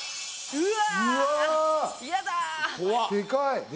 うわ。